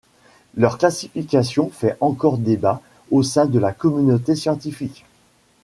Leur classification fait encore débat au sein de la communauté scientifique.